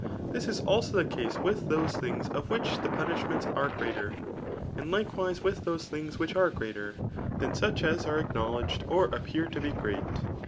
This is also the case with those things of whicb ike pmiishmentB are greater. And likewise with those 4ingB wUcfa are greater^ than such as are acknowledged lOr appear to be great.